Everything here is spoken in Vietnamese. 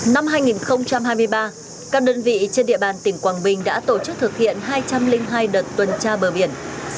năm hai nghìn hai mươi ba các đơn vị trên địa bàn tỉnh quảng bình đã tổ chức thực hiện hai trăm linh hai đợt tuần tra bờ biển